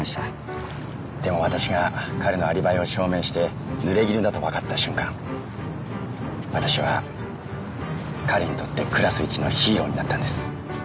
でも私が彼のアリバイを証明して濡れ衣だとわかった瞬間私は彼にとってクラス一のヒーローになったんです。